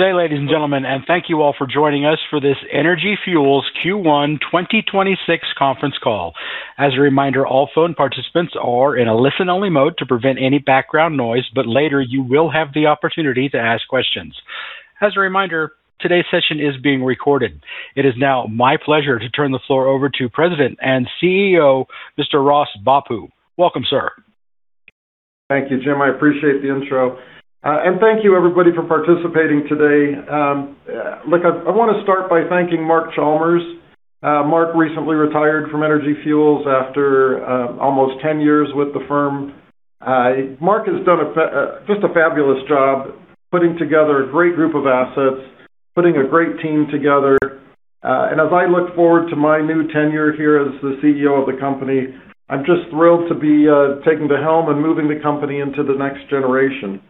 Good day, ladies and gentlemen, thank you all for joining us for this Energy Fuels Q1 2026 conference call. As a reminder, all phone participants are in a listen-only mode to prevent any background noise, but later you will have the opportunity to ask questions. As a reminder, today's session is being recorded. It is now my pleasure to turn the floor over to President and CEO, Mr. Ross Bhappu. Welcome, sir. Thank you, Jim. I appreciate the intro. Thank you everybody for participating today. Look, I want to start by thanking Mark Chalmers. Mark recently retired from Energy Fuels after almost 10 years with the firm. Mark has done just a fabulous job putting together a great group of assets, putting a great team together. As I look forward to my new tenure here as the CEO of the company, I'm just thrilled to be taking the helm and moving the company into the next generation.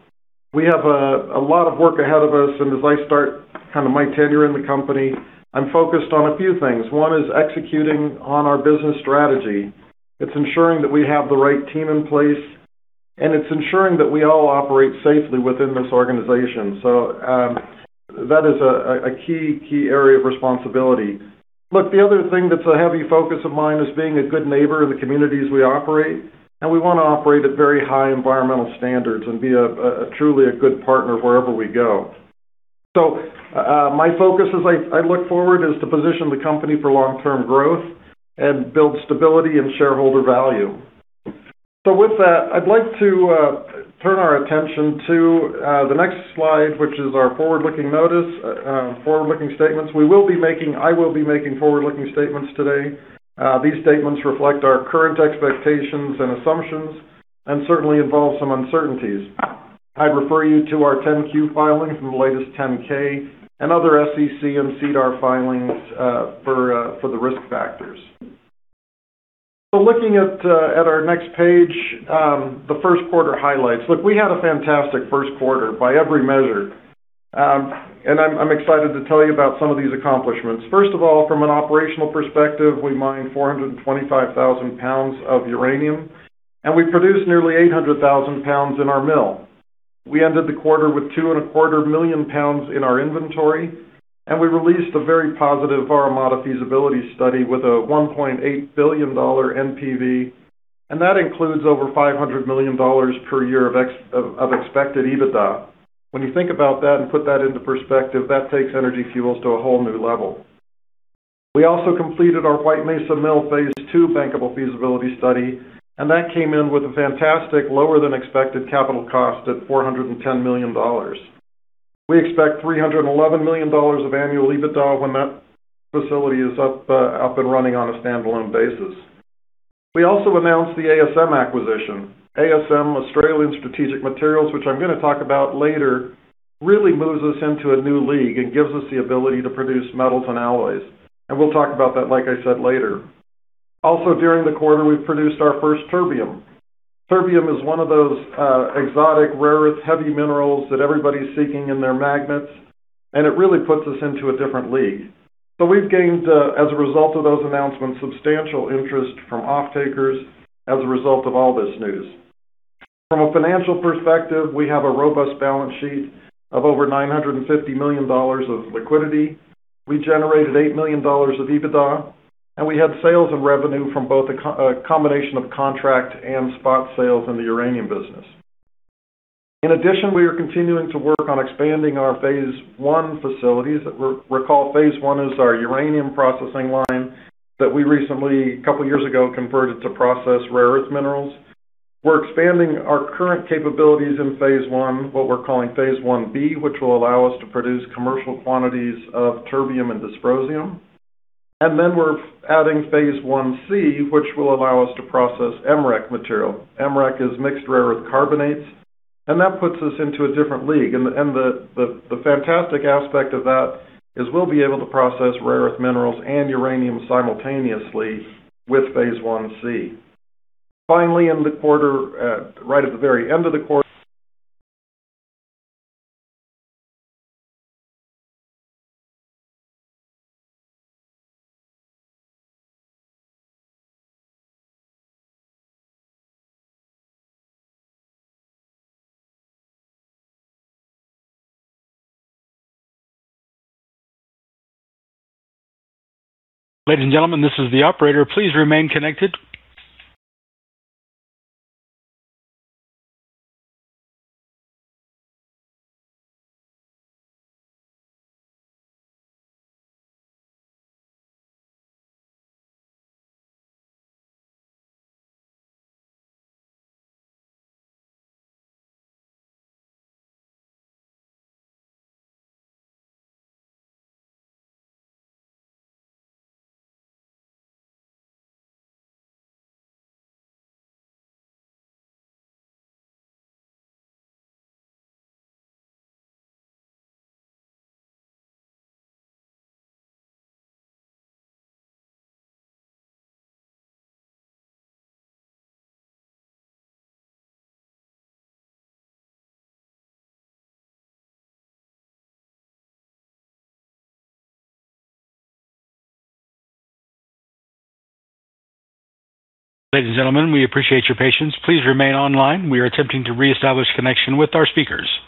We have a lot of work ahead of us, and as I start kind of my tenure in the company, I'm focused on a few things. One is executing on our business strategy. It's ensuring that we have the right team in place, and it's ensuring that we all operate safely within this organization. That is a key area of responsibility. The other thing that's a heavy focus of mine is being a good neighbor in the communities we operate, and we wanna operate at very high environmental standards and be a truly good partner wherever we go. My focus as I look forward is to position the company for long-term growth and build stability and shareholder value. I'd like to turn our attention to the next slide, which is our forward-looking notice, forward-looking statements. I will be making forward-looking statements today. These statements reflect our current expectations and assumptions and certainly involve some uncertainties. I'd refer you to our 10-Q filing and the latest 10-K and other SEC and SEDAR filings for the risk factors. Looking at our next page, the first quarter highlights. Look, we had a fantastic first quarter by every measure. I'm excited to tell you about some of these accomplishments. First of all, from an operational perspective, we mined 425,000 pounds of uranium, and we produced nearly 800,000 pounds in our mill. We ended the quarter with two and a quarter million pounds in our inventory, and we released a very positive Vara Mada feasibility study with a $1.8 billion NPV, and that includes over $500 million per year of expected EBITDA. When you think about that and put that into perspective, that takes Energy Fuels to a whole new level. We also completed our White Mesa Mill phase II bankable feasibility study, that came in with a fantastic lower than expected capital cost at $410 million. We expect $311 million of annual EBITDA when that facility is up and running on a standalone basis. We also announced the ASM acquisition. ASM, Australian Strategic Materials, which I'm gonna talk about later, really moves us into a new league and gives us the ability to produce metals and alloys. We'll talk about that, like I said, later. Also, during the quarter, we produced our first terbium. Terbium is one of those exotic, rare earth heavy minerals that everybody's seeking in their magnets, and it really puts us into a different league. We've gained, as a result of those announcements, substantial interest from off-takers as a result of all this news. From a financial perspective, we have a robust balance sheet of over $950 million of liquidity. We generated $8 million of EBITDA, and we had sales and revenue from both a combination of contract and spot sales in the uranium business. In addition, we are continuing to work on expanding our phase I facilities. Recall, phase I is our uranium processing line that we recently, a couple years ago, converted to process rare earth minerals. We're expanding our current capabilities in phase I, what we're calling phase I-B, which will allow us to produce commercial quantities of terbium and dysprosium. We're adding phase I-C, which will allow us to process MREC material. MREC is mixed rare earth carbonates, that puts us into a different league. The fantastic aspect of that is we'll be able to process rare earth minerals and uranium simultaneously with phase I-C. Finally, in the quarter, right at the very end of the quart- Ladies and gentlemen, this is the operator. Please remain connected. Ladies and gentlemen, we appreciate your patience. Please remain online. We are attempting to reestablish connection with our speakers.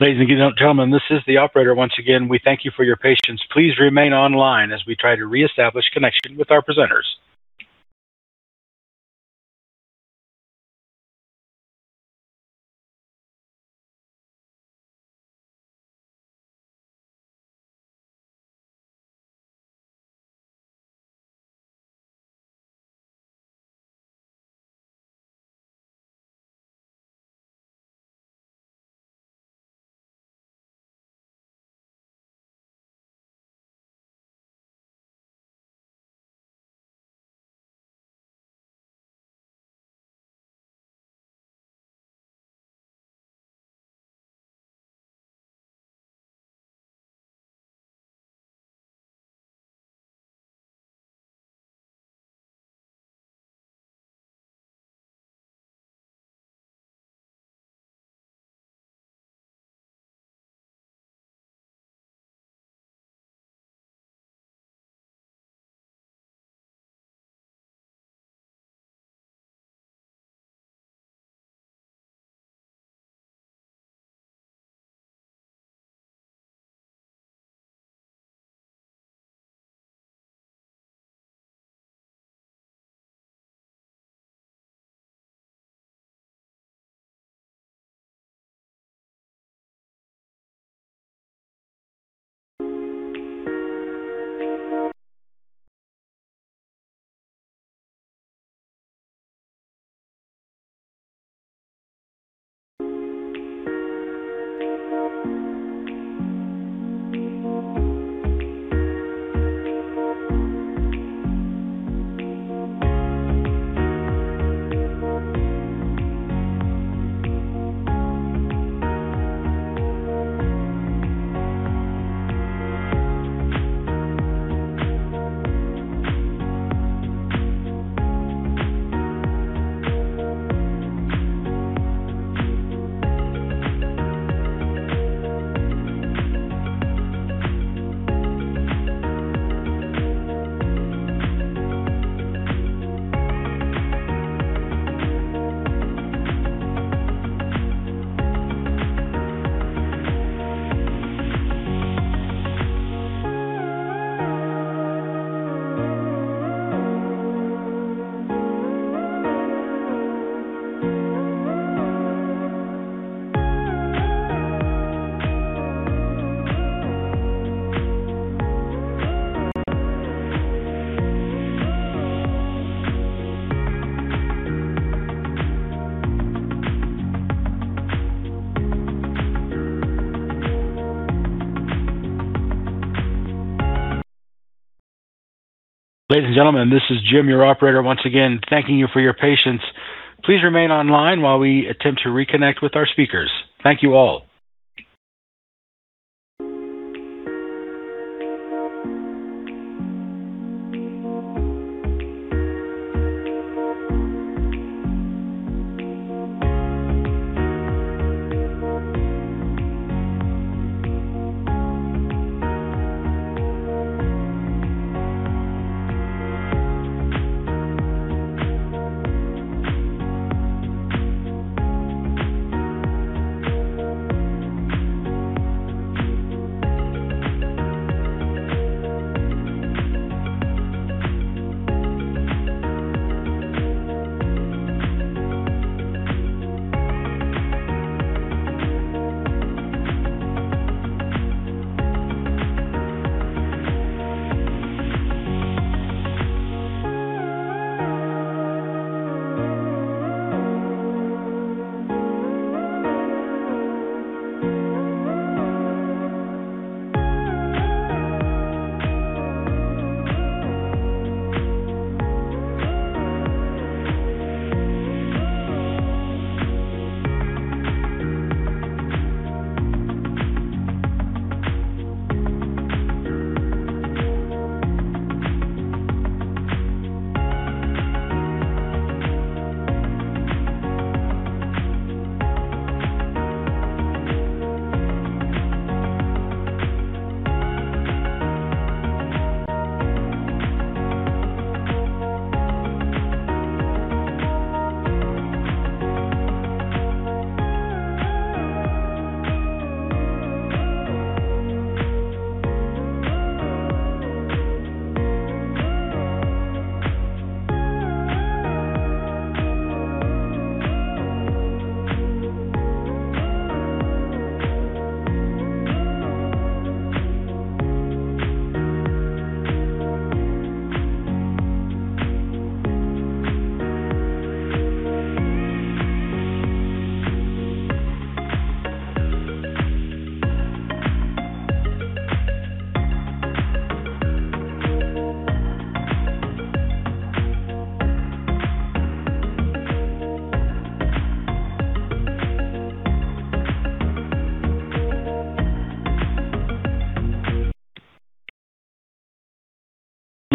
Ladies and gentlemen, this is the operator once again. We thank you for your patience. Please remain online as we try to reestablish connection with our presenters. Ladies and gentlemen, this is Jim, your operator, once again thanking you for your patience. Please remain online while we attempt to reconnect with our speakers. Thank you all.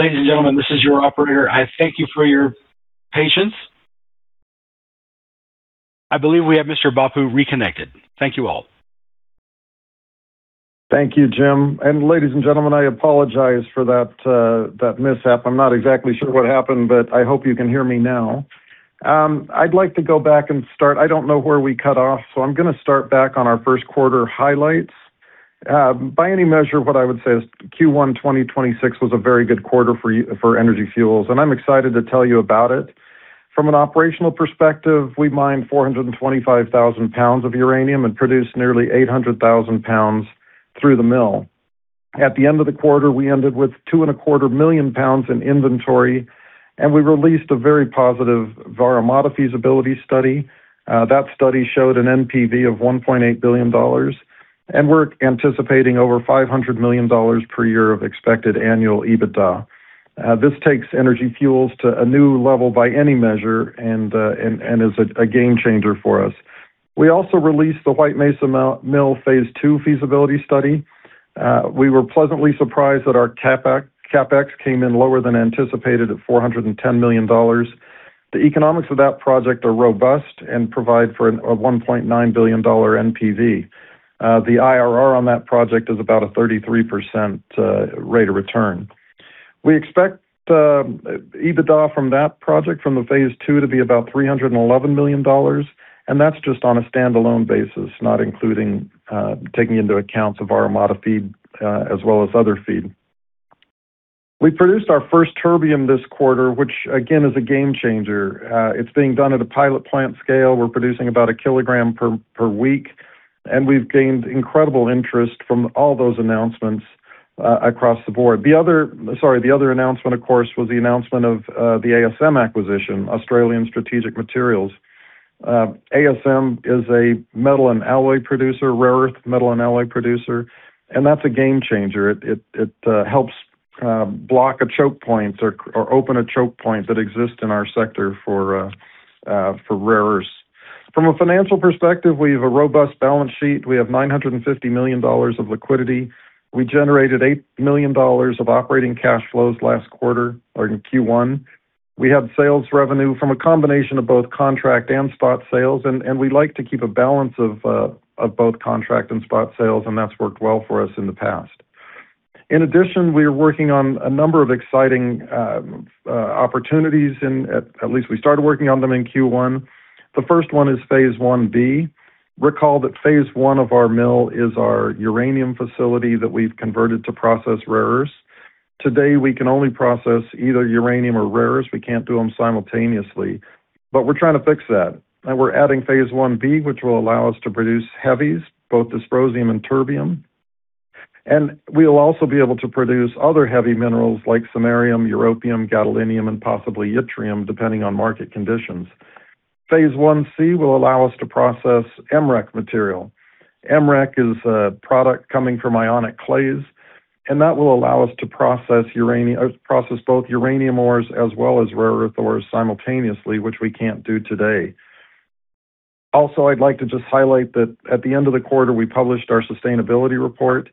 Ladies and gentlemen, this is your operator. I thank you for your patience. I believe we have Mr. Bhappu reconnected. Thank you all. Thank you, Jim. Ladies and gentlemen, I apologize for that mishap. I'm not exactly sure what happened, but I hope you can hear me now. I'd like to go back and start. I don't know where we cut off, so I'm gonna start back on our first quarter highlights. By any measure, what I would say is Q1 2026 was a very good quarter for Energy Fuels, and I'm excited to tell you about it. From an operational perspective, we mined 425,000 pounds of uranium and produced nearly 800,000 pounds through the mill. At the end of the quarter, we ended with 2.25 million pounds in inventory, and we released a very positive Vara Mada feasibility study. That study showed an NPV of $1.8 billion, and we're anticipating over $500 million per year of expected annual EBITDA. This takes Energy Fuels to a new level by any measure and is a game changer for us. We also released the White Mesa Mill phase II feasibility study. We were pleasantly surprised that our CapEx came in lower than anticipated at $410 million. The economics of that project are robust and provide for a $1.9 billion NPV. The IRR on that project is about a 33% rate of return. We expect EBITDA from that project from the phase II to be about $311 million. That's just on a standalone basis, not including taking into account Vara Mada feed, as well as other feed. We produced our first terbium this quarter, which again is a game changer. It's being done at a pilot plant scale. We're producing about a kilogram per week. We've gained incredible interest from all those announcements across the board. The other announcement, of course, was the announcement of the ASM acquisition, Australian Strategic Materials. ASM is a metal and alloy producer, rare earth metal and alloy producer. That's a game changer. It helps block a choke point or open a choke point that exists in our sector for rare earths. From a financial perspective, we have a robust balance sheet. We have $950 million of liquidity. We generated $8 million of operating cash flows last quarter or in Q1. We have sales revenue from a combination of both contract and spot sales, and we like to keep a balance of both contract and spot sales, and that's worked well for us in the past. In addition, we are working on a number of exciting opportunities at least we started working on them in Q1. The first one is phase I-B. Recall that phase I of our mill is our uranium facility that we've converted to process rare earths. Today, we can only process either uranium or rare earths. We can't do them simultaneously, we're trying to fix that. We're adding phase I-B, which will allow us to produce heavies, both dysprosium and terbium. We'll also be able to produce other heavy minerals like samarium, europium, gadolinium, and possibly yttrium, depending on market conditions. Phase I-C will allow us to process MREC material. MREC is a product coming from ionic clays, and that will allow us to process both uranium ores as well as rare earth ores simultaneously, which we can't do today. I'd like to just highlight that at the end of the quarter, we published our sustainability report.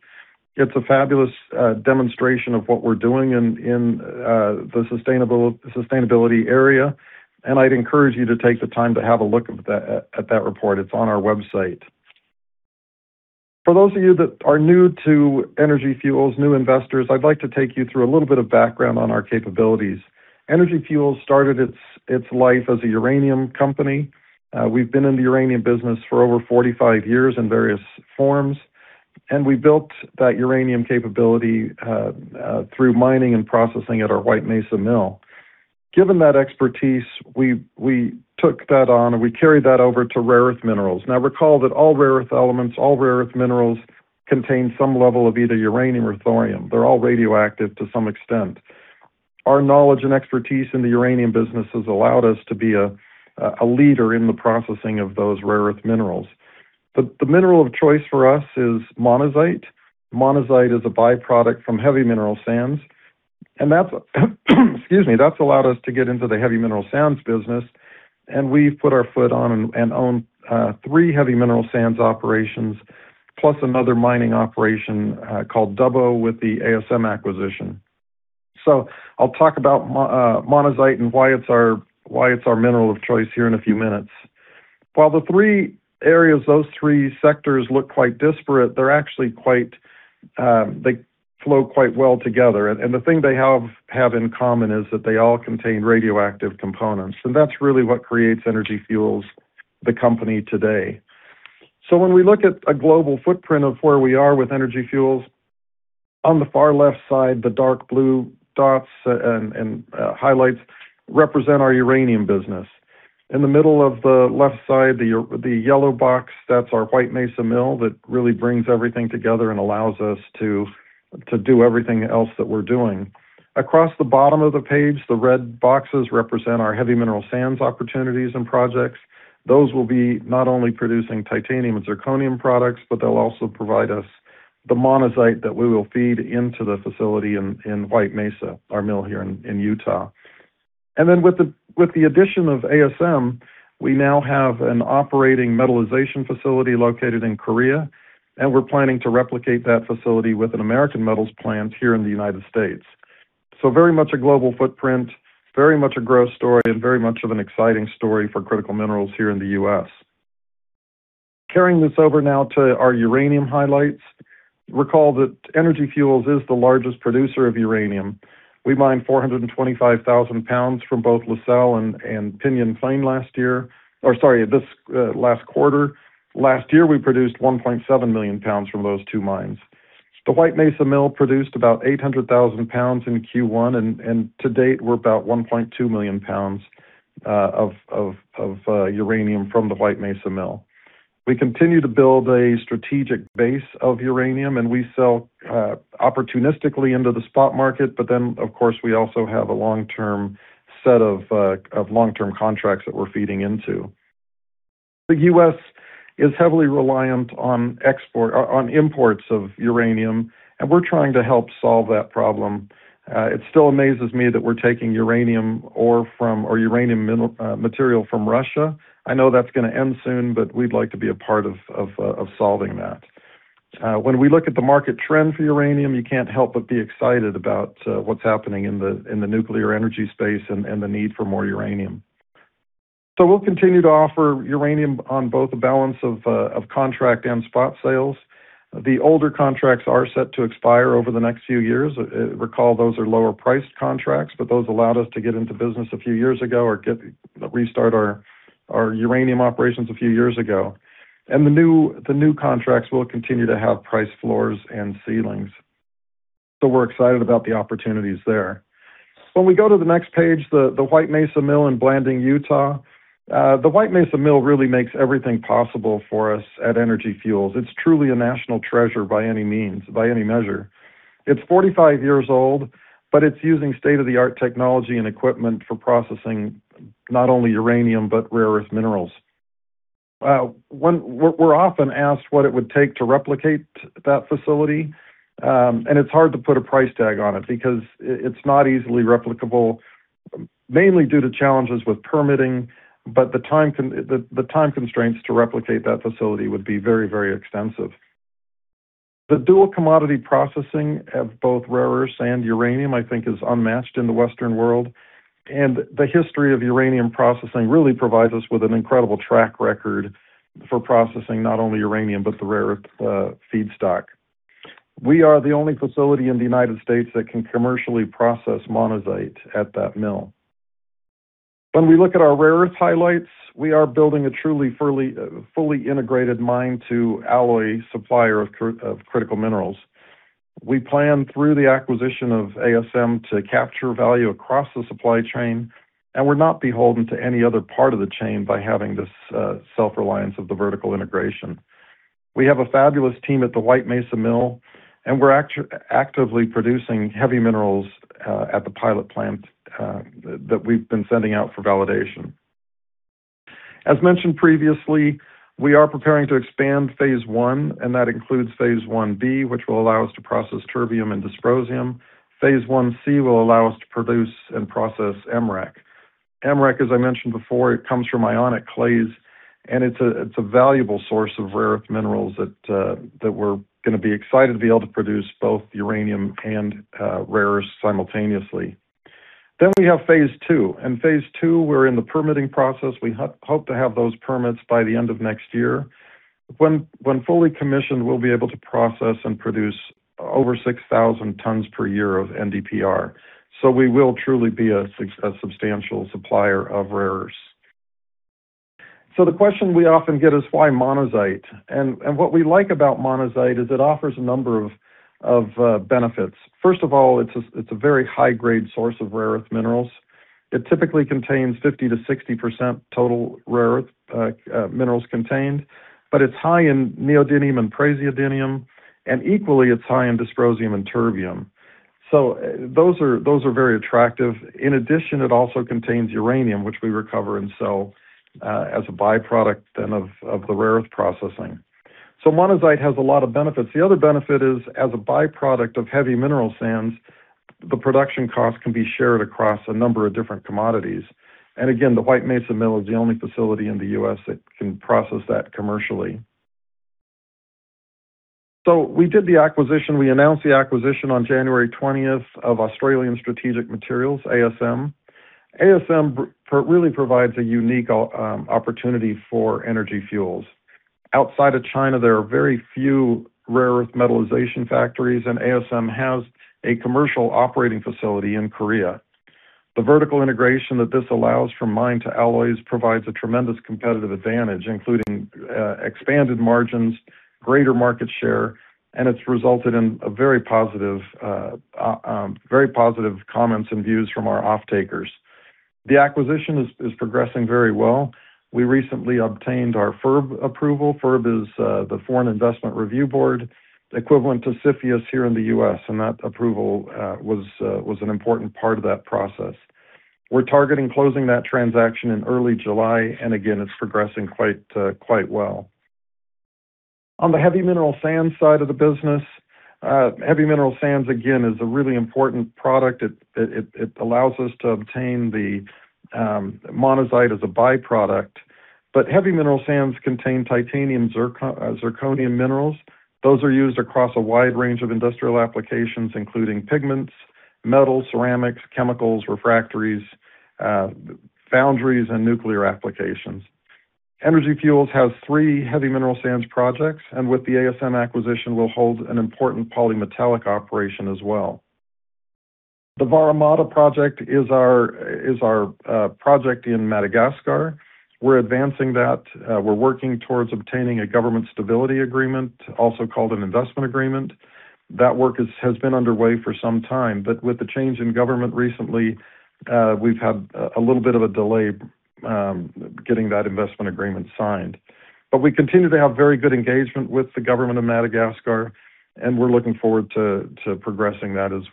It's a fabulous demonstration of what we're doing in the sustainability area, and I'd encourage you to take the time to have a look at that report. It's on our website. For those of you that are new to Energy Fuels, new investors, I'd like to take you through a little bit of background on our capabilities. Energy Fuels started its life as a uranium company. We've been in the uranium business for over 45 years in various forms, and we built that uranium capability through mining and processing at our White Mesa Mill. Given that expertise, we took that on and we carried that over to rare earth minerals. Recall that all rare earth elements, all rare earth minerals contain some level of either uranium or thorium. They're all radioactive to some extent. Our knowledge and expertise in the uranium business has allowed us to be a leader in the processing of those rare earth minerals. The mineral of choice for us is monazite. Monazite is a byproduct from heavy mineral sands. That's allowed us to get into the heavy mineral sands business, and we've put our foot on and own three heavy mineral sands operations, plus another mining operation called Dubbo with the ASM acquisition. I'll talk about monazite and why it's our mineral of choice here in a few minutes. While the three areas, those three sectors look quite disparate, they're actually quite, they flow quite well together. The thing they have in common is that they all contain radioactive components, and that's really what creates Energy Fuels the company today. When we look at a global footprint of where we are with Energy Fuels, on the far left side, the dark blue dots and highlights represent our uranium business. In the middle of the left side, the yellow box, that's our White Mesa Mill that really brings everything together and allows us to do everything else that we're doing. Across the bottom of the page, the red boxes represent our heavy mineral sands opportunities and projects. Those will be not only producing titanium and zirconium products, but they'll also provide us the monazite that we will feed into the facility in White Mesa, our mill here in Utah. With the addition of ASM, we now have an operating metallization facility located in Korea, and we're planning to replicate that facility with an American metals plant here in the United States. Very much a global footprint, very much a growth story, and very much of an exciting story for critical minerals here in the U.S. Carrying this over now to our uranium highlights, recall that Energy Fuels is the largest producer of uranium. We mined 425,000 pounds from both La Sal and Pinyon Plain last year, or sorry, this last quarter. Last year, we produced 1.7 million pounds from those two mines. The White Mesa Mill produced about 800,000 pounds in Q1, and to date, we're about 1.2 million pounds of uranium from the White Mesa Mill. We continue to build a strategic base of uranium, we sell opportunistically into the spot market. Of course, we also have a long-term set of long-term contracts that we're feeding into. The U.S. is heavily reliant on imports of uranium, we're trying to help solve that problem. It still amazes me that we're taking uranium ore from or uranium material from Russia. I know that's gonna end soon, we'd like to be a part of solving that. When we look at the market trend for uranium, you can't help but be excited about what's happening in the nuclear energy space and the need for more uranium. We'll continue to offer uranium on both a balance of contract and spot sales. The older contracts are set to expire over the next few years. Recall those are lower-priced contracts, those allowed us to get into business a few years ago or restart our uranium operations a few years ago. The new contracts will continue to have price floors and ceilings. We're excited about the opportunities there. When we go to the next page, the White Mesa Mill in Blanding, Utah, the White Mesa Mill really makes everything possible for us at Energy Fuels. It's truly a national treasure by any means, by any measure. It's 45 years old, but it's using state-of-the-art technology and equipment for processing not only uranium, but rare earth minerals. We're often asked what it would take to replicate that facility, and it's hard to put a price tag on it because it's not easily replicable, mainly due to challenges with permitting, but the time constraints to replicate that facility would be very, very extensive. The dual commodity processing of both rare earth and uranium, I think, is unmatched in the Western world, and the history of uranium processing really provides us with an incredible track record for processing not only uranium, but the rare earth feedstock. We are the only facility in the United States that can commercially process monazite at that mill. When we look at our rare earth highlights, we are building a truly, fully integrated mine to alloy supplier of critical minerals. We plan through the acquisition of ASM to capture value across the supply chain, and we're not beholden to any other part of the chain by having this self-reliance of the vertical integration. We have a fabulous team at the White Mesa Mill, and we're actively producing heavy minerals at the pilot plant that we've been sending out for validation. As mentioned previously, we are preparing to expand phase I and that includes phase I-B, which will allow us to process terbium and dysprosium. Phase I-C will allow us to produce and process MREC. MREC, as I mentioned before, it comes from ionic clays, it's a valuable source of rare earth minerals that we're gonna be excited to be able to produce both uranium and rare earths simultaneously. We have phase II. In phase II, we hope to have those permits by the end of next year. When fully commissioned, we'll be able to process and produce over 6,000 tons per year of NdPr. We will truly be a substantial supplier of rare earths. The question we often get is why monazite? What we like about monazite is it offers a number of benefits. First of all, it's a very high-grade source of rare earth minerals. It typically contains 50%-60% total rare earth minerals contained, but it's high in neodymium and praseodymium, and equally it's high in dysprosium and terbium. Those are very attractive. In addition, it also contains uranium, which we recover and sell as a byproduct then of the rare earth processing. Monazite has a lot of benefits. The other benefit is, as a byproduct of heavy mineral sands, the production cost can be shared across a number of different commodities. Again, the White Mesa Mill is the only facility in the U.S. that can process that commercially. We did the acquisition. We announced the acquisition on January 20th of Australian Strategic Materials, ASM. ASM really provides a unique opportunity for Energy Fuels. Outside of China, there are very few rare earth metallization factories. ASM has a commercial operating facility in Korea. The vertical integration that this allows from mine to alloys provides a tremendous competitive advantage, including expanded margins, greater market share, and it's resulted in a very positive comments and views from our offtakers. The acquisition is progressing very well. We recently obtained our FIRB approval. FIRB is the Foreign Investment Review Board, equivalent to CFIUS here in the U.S. That approval was an important part of that process. We're targeting closing that transaction in early July, and again, it's progressing quite well. On the heavy mineral sands side of the business, heavy mineral sands, again, is a really important product. It allows us to obtain the monazite as a byproduct. Heavy mineral sands contain titanium zirconium minerals. Those are used across a wide range of industrial applications, including pigments, metals, ceramics, chemicals, refractories, foundries, and nuclear applications. Energy Fuels has three heavy mineral sands projects, and with the ASM acquisition, we'll hold an important polymetallic operation as well. The Vara Mada project is our project in Madagascar. We're advancing that. We're working towards obtaining a government stability agreement, also called an investment agreement. That work has been underway for some time, but with the change in government recently, we've had a little bit of a delay getting that investment agreement signed. We continue to have very good engagement with the government of Madagascar, and we're looking forward to progressing that as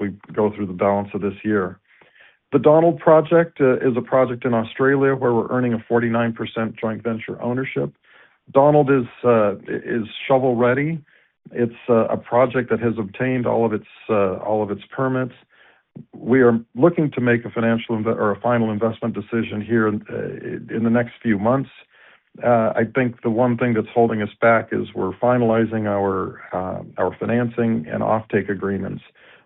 we go through the balance of this year. The Donald Project is a project in Australia where we're earning a 49% joint venture ownership. Donald is shovel-ready. It's a project that has obtained all of its permits. We are looking to make a final investment decision here in the next few months. I think the one thing that's holding us back is we're finalizing our financing and offtake agreements.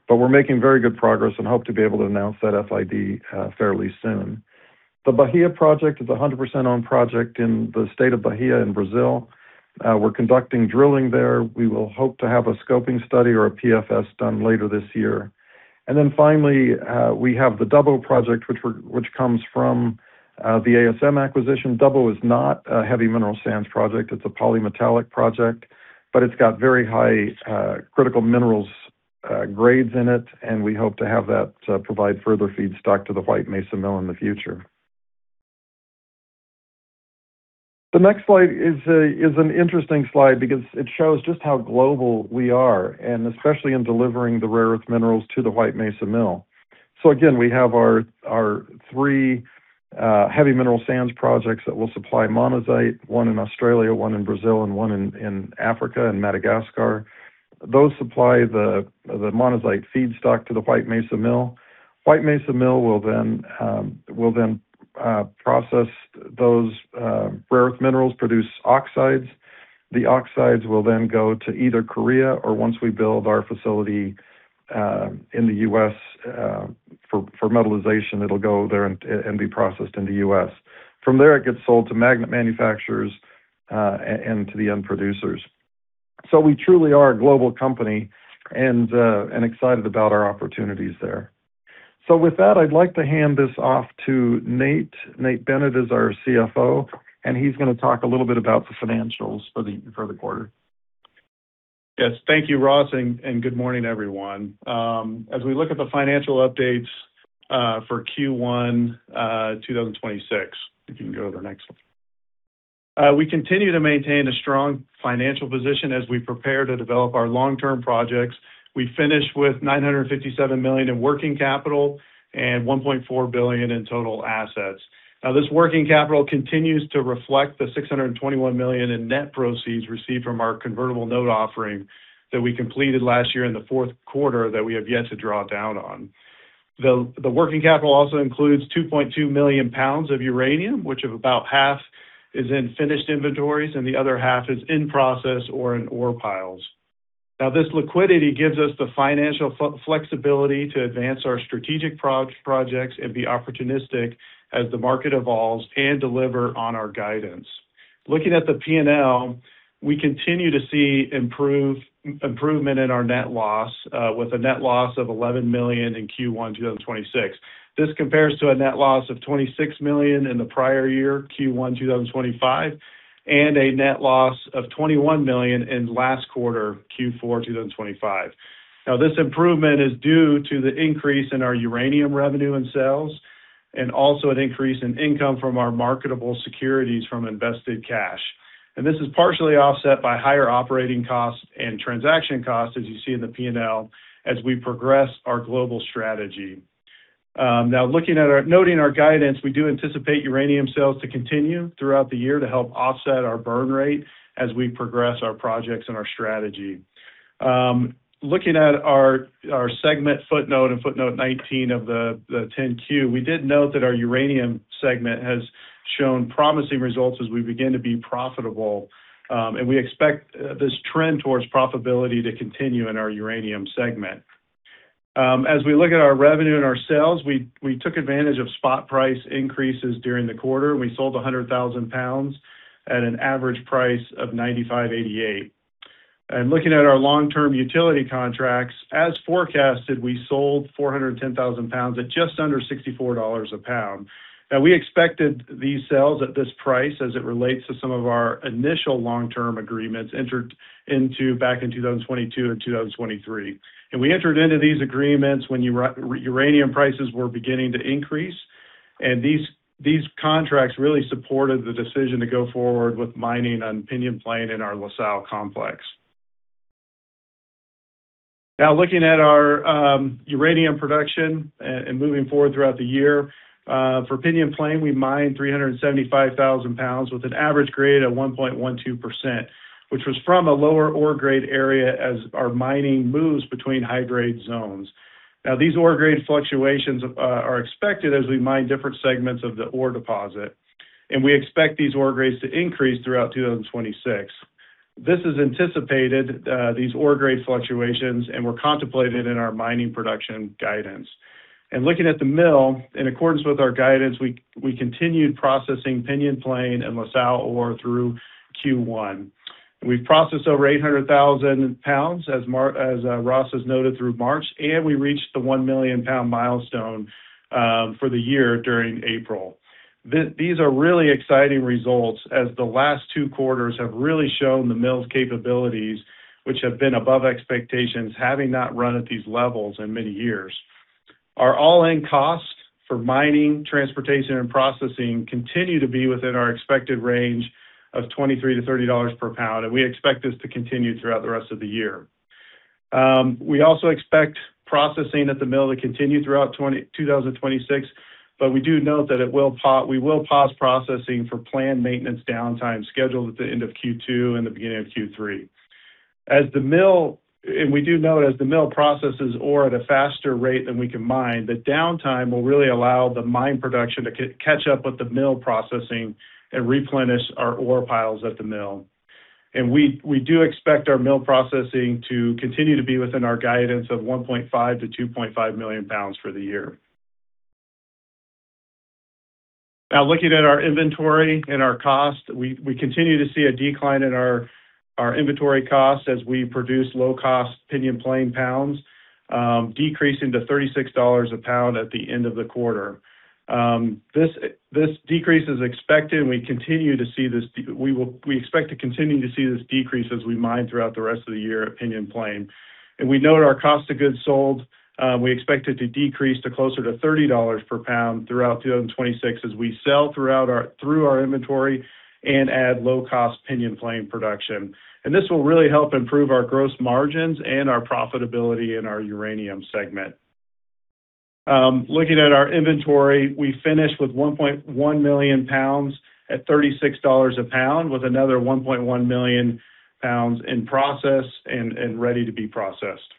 We're making very good progress and hope to be able to announce that FID fairly soon. The Bahia project is a 100% owned project in the state of Bahia in Brazil. We're conducting drilling there. We will hope to have a scoping study or a PFS done later this year. Finally, we have the Dubbo Project, which comes from the ASM acquisition. Dubbo is not a heavy mineral sands project. It's a polymetallic project, but it's got very high, critical minerals grades in it, and we hope to have that provide further feedstock to the White Mesa Mill in the future. The next slide is an interesting slide because it shows just how global we are, especially in delivering the rare earth minerals to the White Mesa Mill. Again, we have our three heavy mineral sands projects that will supply monazite, one in Australia, one in Brazil, and one in Africa, in Madagascar. Those supply the monazite feedstock to the White Mesa Mill. White Mesa Mill will then process those rare earth minerals, produce oxides. The oxides will then go to either Korea or once we build our facility in the U.S. for metallization, it'll go there and be processed in the U.S. From there, it gets sold to magnet manufacturers and to the end producers. We truly are a global company and excited about our opportunities there. With that, I'd like to hand this off to Nate. Nate Bennett is our CFO, and he's gonna talk a little bit about the financials for the quarter. Yes. Thank you, Ross, and good morning, everyone. As we look at the financial updates for Q1 2026. If you can go to the next one. We continue to maintain a strong financial position as we prepare to develop our long-term projects. We finished with $957 million in working capital and $1.4 billion in total assets. This working capital continues to reflect the $621 million in net proceeds received from our convertible note offering that we completed last year in the fourth quarter that we have yet to draw down on. The working capital also includes 2.2 million pounds of uranium, which of about half is in finished inventories and the other half is in process or in ore piles. This liquidity gives us the financial flexibility to advance our strategic projects and be opportunistic as the market evolves and deliver on our guidance. Looking at the P&L, we continue to see improvement in our net loss, with a net loss of $11 million in Q1 2026. This compares to a net loss of $26 million in the prior year, Q1 2025, and a net loss of $21 million in last quarter, Q4 2025. This improvement is due to the increase in our uranium revenue and sales, and also an increase in income from our marketable securities from invested cash. This is partially offset by higher operating costs and transaction costs, as you see in the P&L, as we progress our global strategy. Now noting our guidance, we do anticipate uranium sales to continue throughout the year to help offset our burn rate as we progress our projects and our strategy. Looking at our segment footnote in footnote 19 of the 10-Q, we did note that our uranium segment has shown promising results as we begin to be profitable, and we expect this trend towards profitability to continue in our uranium segment. As we look at our revenue and our sales, we took advantage of spot price increases during the quarter, and we sold 100,000 pounds at an average price of $95.88. Looking at our long-term utility contracts, as forecasted, we sold 410,000 pounds at just under $64 a pound. We expected these sales at this price as it relates to some of our initial long-term agreements entered into back in 2022-2023. We entered into these agreements when uranium prices were beginning to increase, these contracts really supported the decision to go forward with mining on Pinyon Plain in our La Sal Complex. Looking at our uranium production and moving forward throughout the year, for Pinyon Plain, we mined 375,000 pounds with an average grade of 1.12%, which was from a lower ore grade area as our mining moves between high-grade zones. These ore grade fluctuations are expected as we mine different segments of the ore deposit, and we expect these ore grades to increase throughout 2026. This is anticipated, these ore grade fluctuations, and were contemplated in our mining production guidance. Looking at the mill, in accordance with our guidance, we continued processing Pinyon Plain and La Sal ore through Q1. We processed over 800,000 pounds as Ross has noted through March, and we reached the 1 million pound milestone for the year during April. These are really exciting results as the last two quarters have really shown the mill's capabilities, which have been above expectations, having not run at these levels in many years. Our all-in costs for mining, transportation, and processing continue to be within our expected range of $23-$30 per pound. We expect this to continue throughout the rest of the year. We also expect processing at the mill to continue throughout 2026. We do note that we will pause processing for planned maintenance downtime scheduled at the end of Q2 and the beginning of Q3. We do note as the mill processes ore at a faster rate than we can mine, the downtime will really allow the mine production to catch up with the mill processing and replenish our ore piles at the mill. We do expect our mill processing to continue to be within our guidance of 1.5 million-2.5 million pounds for the year. Now looking at our inventory and our cost, we continue to see a decline in our inventory costs as we produce low-cost Pinyon Plain pounds, decreasing to $36 a pound at the end of the quarter. This decrease is expected and we expect to continue to see this decrease as we mine throughout the rest of the year at Pinyon Plain. We note our cost of goods sold, we expect it to decrease to closer to $30 per pound throughout 2026 as we sell through our inventory and add low-cost Pinyon Plain production. This will really help improve our gross margins and our profitability in our uranium segment. Looking at our inventory, we finished with 1.1 million pounds at $36 a pound, with another 1.1 million pounds in process and ready to be processed.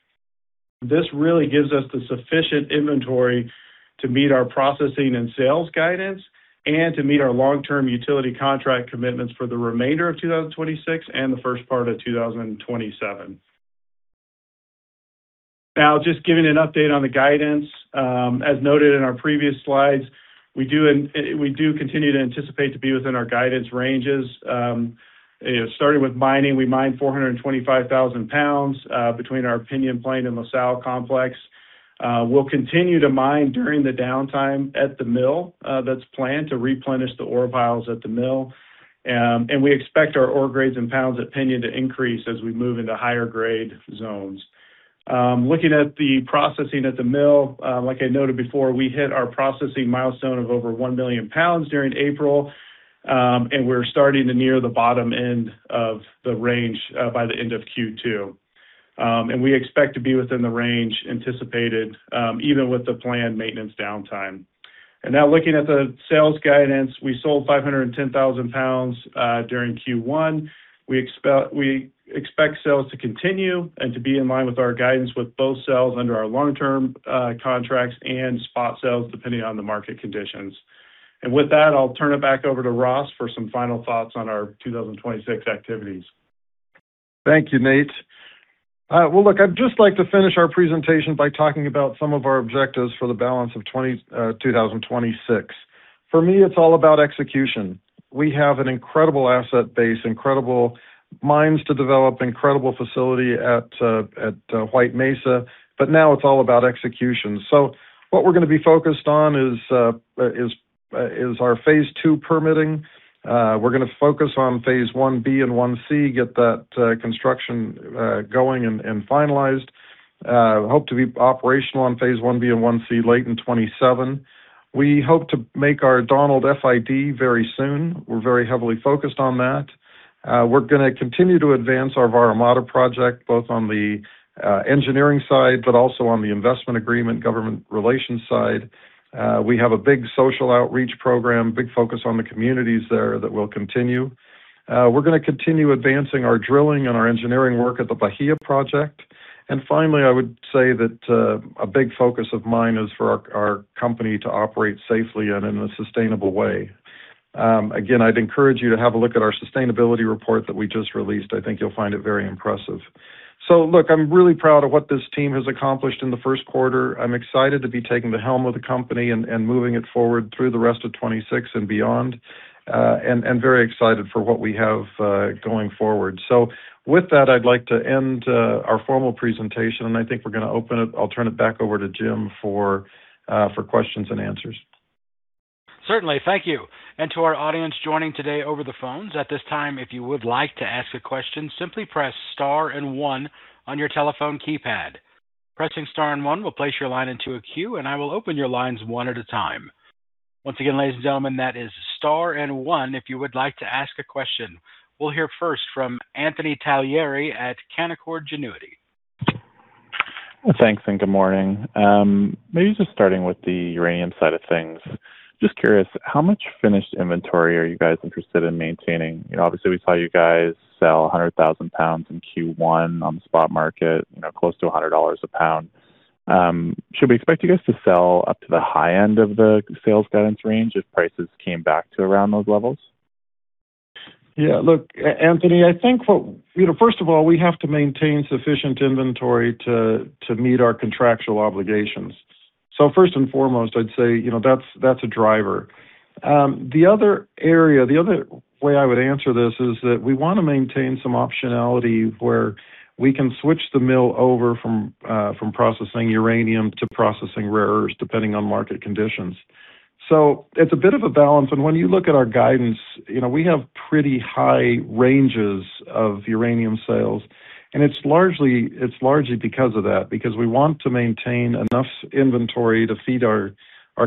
This really gives us the sufficient inventory to meet our processing and sales guidance and to meet our long-term utility contract commitments for the remainder of 2026 and the first part of 2027. Just giving an update on the guidance, as noted in our previous slides, we do continue to anticipate to be within our guidance ranges. Starting with mining, we mined 425,000 pounds between our Pinyon Plain and La Sal Complex. We'll continue to mine during the downtime at the mill, that's planned to replenish the ore piles at the mill. We expect our ore grades and pounds at Pinyon to increase as we move into higher grade zones. Looking at the processing at the mill, like I noted before, we hit our processing milestone of over 1 million pounds during April, and we're starting to near the bottom end of the range by the end of Q2. We expect to be within the range anticipated, even with the planned maintenance downtime. Now looking at the sales guidance, we sold 510,000 pounds during Q1. We expect sales to continue and to be in line with our guidance with both sales under our long-term contracts and spot sales, depending on the market conditions. With that, I'll turn it back over to Ross for some final thoughts on our 2026 activities. Thank you, Nate. Well, look, I'd just like to finish our presentation by talking about some of our objectives for the balance of 2026. For me, it's all about execution. We have an incredible asset base, incredible mines to develop, incredible facility at White Mesa, but now it's all about execution. What we're gonna be focused on is our phase II permitting. We're gonna focus on phase I-B and I-C, get that construction going and finalized. Hope to be operational on phase I-B and I-C late in 2027. We hope to make our Donald FID very soon. We're very heavily focused on that. We're gonna continue to advance our Vara Mada project, both on the engineering side, also on the investment agreement, government relations side. We have a big social outreach program, big focus on the communities there that will continue. We're gonna continue advancing our drilling and our engineering work at the Bahia project. Finally, I would say that a big focus of mine is for our company to operate safely and in a sustainable way. Again, I'd encourage you to have a look at our sustainability report that we just released. I think you'll find it very impressive. Look, I'm really proud of what this team has accomplished in the first quarter. I'm excited to be taking the helm of the company and moving it forward through the rest of 2026 and beyond, and very excited for what we have going forward. With that, I'd like to end our formal presentation, and I think we're gonna open it. I'll turn it back over to Jim for questions and answers. Certainly. Thank you. To our audience joining today over the phones, at this time, if you would like to ask a question, simply press star and one on your telephone keypad. Pressing star and one will place your line into a queue, and I will open your lines one at a time. Once again, ladies and gentlemen, that is star and one, if you would like to ask a question. We'll hear first from Anthony Taglieri at Canaccord Genuity. Well, thanks, and good morning. Maybe just starting with the uranium side of things, just curious, how much finished inventory are you guys interested in maintaining? You know, obviously, we saw you guys sell 100,000 pounds in Q1 on the spot market, you know, close to $100 a pound. Should we expect you guys to sell up to the high end of the sales guidance range if prices came back to around those levels? Yeah. Look, Anthony, I think You know, first of all, we have to maintain sufficient inventory to meet our contractual obligations. First and foremost, I'd say, you know, that's a driver. The other way I would answer this is that we want to maintain some optionality where we can switch the mill over from processing uranium to processing rare earths depending on market conditions. It's a bit of a balance, and when you look at our guidance, you know, we have pretty high ranges of uranium sales, and it's largely because of that, because we want to maintain enough inventory to feed our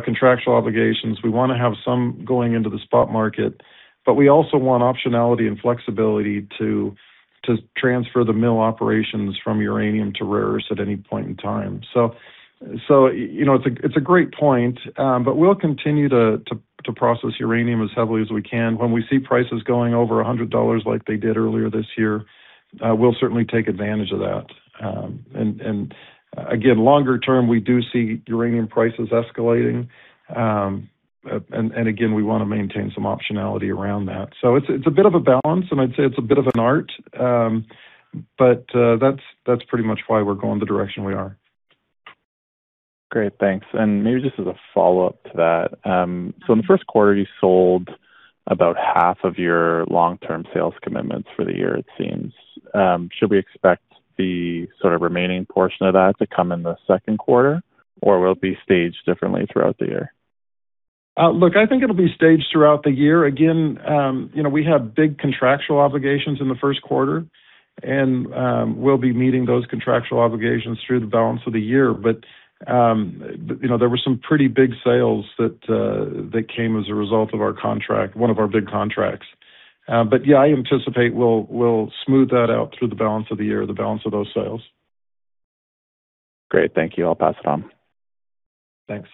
contractual obligations. We want to have some going into the spot market, but we also want optionality and flexibility to transfer the mill operations from uranium to rare earths at any point in time. You know, it's a great point, but we'll continue to process uranium as heavily as we can. When we see prices going over $100 like they did earlier this year, we'll certainly take advantage of that. Again, longer term, we do see uranium prices escalating. Again, we wanna maintain some optionality around that. It's a bit of a balance, and I'd say it's a bit of an art. That's pretty much why we're going the direction we are. Great. Thanks. Maybe just as a follow-up to that, in the first quarter, you sold about half of your long-term sales commitments for the year, it seems. Should we expect the sort of remaining portion of that to come in the second quarter, or will it be staged differently throughout the year? Look, I think it'll be staged throughout the year. Again, you know, we have big contractual obligations in the first quarter, we'll be meeting those contractual obligations through the balance of the year. You know, there were some pretty big sales that came as a result of our contract, one of our big contracts. Yeah, I anticipate we'll smooth that out through the balance of the year, the balance of those sales. Great. Thank you. I'll pass it on. Thanks.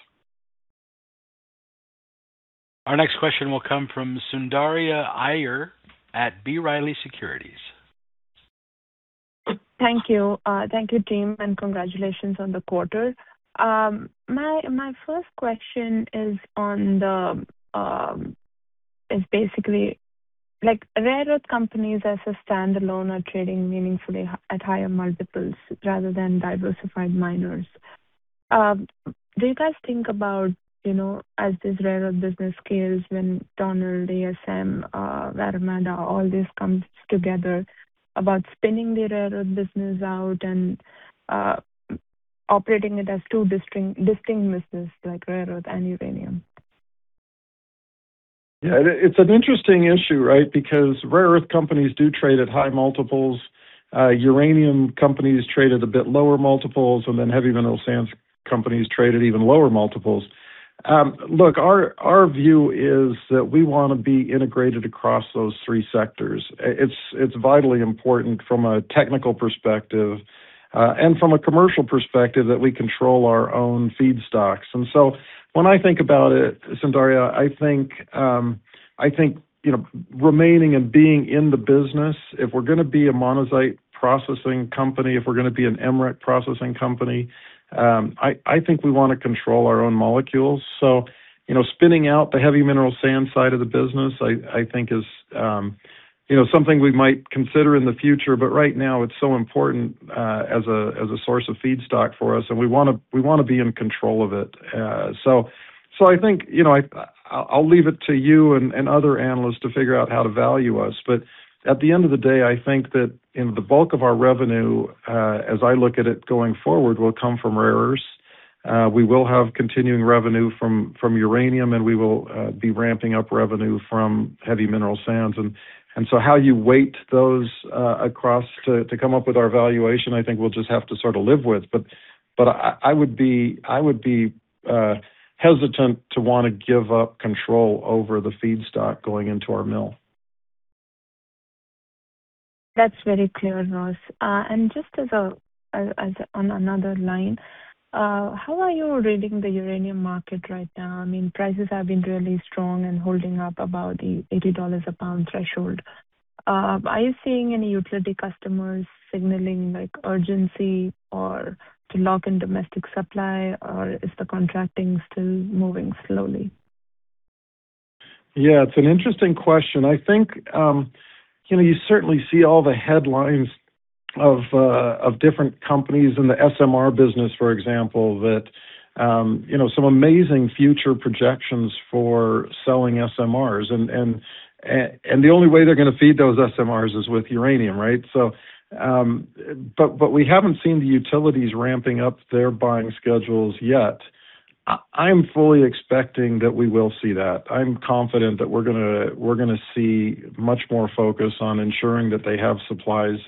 Our next question will come from Soundarya Iyer at B. Riley Securities. Thank you. Thank you, team, and congratulations on the quarter. My first question is on the, is basically, like, rare earth companies as a standalone are trading meaningfully at higher multiples rather than diversified miners. Do you guys think about, you know, as this rare earth business scales when Donald, ASM, Vara Mada, all this comes together about spinning the rare earth business out and operating it as two distinct business like rare earth and uranium? It's an interesting issue, right? Because rare earth companies do trade at high multiples. Uranium companies trade at a bit lower multiples, and then heavy mineral sands companies trade at even lower multiples. Our view is that we wanna be integrated across those three sectors. It's vitally important from a technical perspective, and from a commercial perspective that we control our own feedstocks. When I think about it, Soundarya, I think, you know, remaining and being in the business, if we're gonna be a monazite processing company, if we're gonna be an MREC processing company, I think we wanna control our own molecules. You know, spinning out the heavy mineral sand side of the business, I think is, you know, something we might consider in the future, but right now it's so important as a source of feedstock for us, and we wanna be in control of it. I think, you know, I'll leave it to you and other analysts to figure out how to value us. At the end of the day, I think that in the bulk of our revenue, as I look at it going forward, will come from rare earths. We will have continuing revenue from uranium, and we will be ramping up revenue from heavy mineral sands. How you weight those across to come up with our valuation, I think we'll just have to sort of live with. I would be hesitant to wanna give up control over the feedstock going into our mill. That's very clear, Ross. Just as on another line, how are you reading the uranium market right now? I mean, prices have been really strong and holding up above the $80 a pound threshold. Are you seeing any utility customers signaling, like, urgency or to lock in domestic supply? Or is the contracting still moving slowly? Yeah, it's an interesting question. I think, you know, you certainly see all the headlines of different companies in the SMR business, for example, that, you know, some amazing future projections for selling SMRs. And the only way they're gonna feed those SMRs is with uranium, right? But we haven't seen the utilities ramping up their buying schedules yet. I'm fully expecting that we will see that. I'm confident that we're gonna see much more focus on ensuring that they have supplies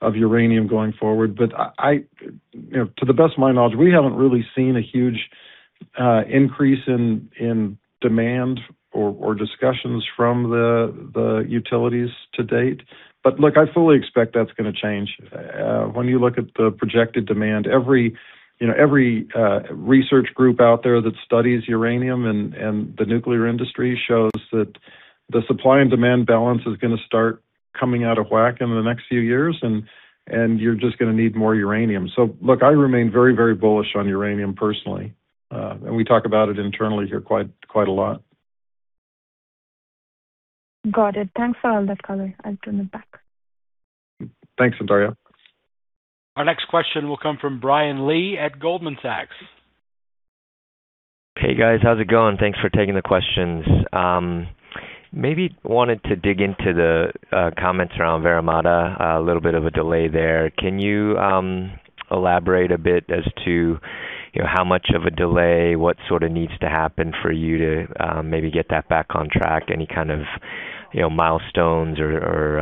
of uranium going forward. I, you know, to the best of my knowledge, we haven't really seen a huge increase in demand or discussions from the utilities to date. Look, I fully expect that's gonna change. When you look at the projected demand, every, you know, every research group out there that studies uranium and the nuclear industry shows that the supply and demand balance is gonna start coming out of whack in the next few years, and you're just gonna need more uranium. Look, I remain very, very bullish on uranium personally. We talk about it internally here quite a lot. Got it. Thanks for all that color. I'll turn it back. Thanks, Soundarya. Our next question will come from Brian Lee at Goldman Sachs. Hey, guys. How's it going? Thanks for taking the questions. Maybe wanted to dig into the comments around Vara Mada, a little bit of a delay there. Can you elaborate a bit as to, you know, how much of a delay, what sort of needs to happen for you to maybe get that back on track? Any kind of, you know, milestones or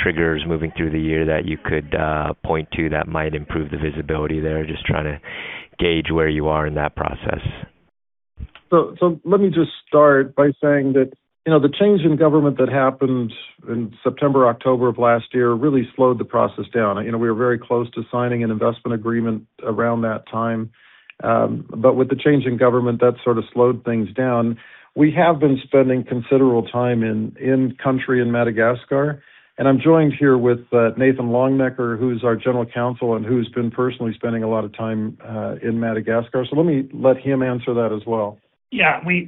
triggers moving through the year that you could point to that might improve the visibility there? Just trying to gauge where you are in that process. Let me just start by saying that, you know, the change in government that happened in September, October of last year really slowed the process down. You know, we were very close to signing an investment agreement around that time. With the change in government, that sort of slowed things down. We have been spending considerable time in country in Madagascar, and I'm joined here with Nathan Longenecker, who's our general counsel and who's been personally spending a lot of time in Madagascar. Let me let him answer that as well. Yeah. We